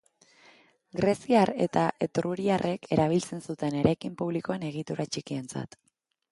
Greziar eta etruriarrek erabiltzen zuten eraikin publikoen egitura txikientzat.